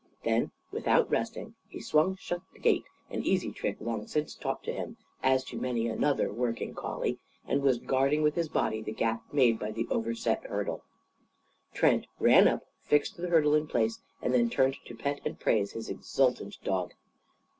Then, without resting, he swung shut the gate an easy trick long since taught to him, as to many another working collie and was guarding with his body the gap made by the overset hurdle. Trent ran up, fixed the hurdle in place, and then turned to pet and praise his exultant dog.